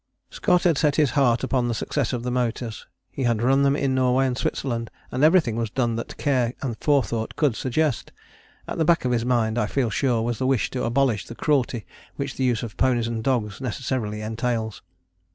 " Scott had set his heart upon the success of the motors. He had run them in Norway and Switzerland; and everything was done that care and forethought could suggest. At the back of his mind, I feel sure, was the wish to abolish the cruelty which the use of ponies and dogs necessarily entails.